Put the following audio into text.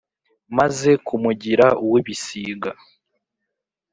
Maze kumugira uw'ibisiga